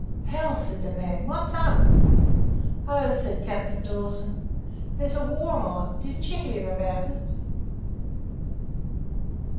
"Hell!" said the man, "what's up?" "Oh!" said Captain Dawson, "There's a war on didn't you hear about it?"